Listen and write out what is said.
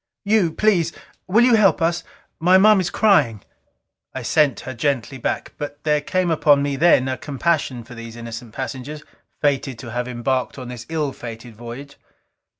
"You please, will you help us? My Moms is crying." I sent her gently back. But there came upon me then a compassion for these innocent passengers, fated to have embarked on this ill fated voyage.